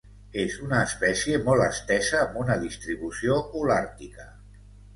És una espècie molt estesa amb una distribució Holàrtica.